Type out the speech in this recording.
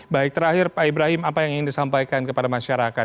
baik terakhir pak ibrahim apa yang ingin disampaikan kepada masyarakat